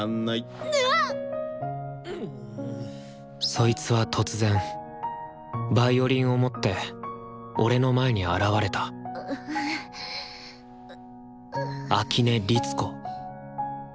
そいつは突然ヴァイオリンを持って俺の前に現れた秋音律子。